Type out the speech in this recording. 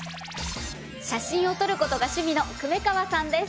写真を撮る事が趣味の粂川さんです。